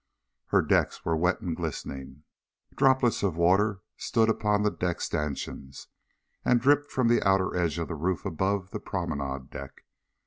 Her decks were wet and glistening. Droplets of water stood upon the deck stanchions, and dripped from the outer edge of the roof above the promenade deck.